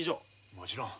もちろん。